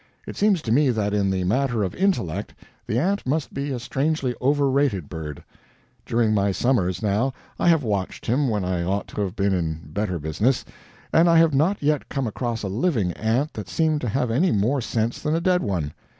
It seems to me that in the matter of intellect the ant must be a strangely overrated bird. During many summers, now, I have watched him, when I ought to have been in better business, and I have not yet come across a living ant that seemed to have any more sense than a dead one.